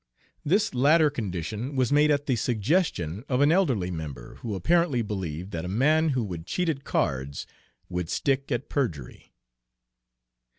This latter condition was made at the suggestion of an elderly member, who apparently believed that a man who would cheat at cards would stick at perjury.